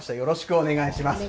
お願いします。